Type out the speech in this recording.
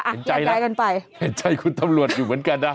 เห็นใจกันไปเห็นใจคุณตำรวจอยู่เหมือนกันนะ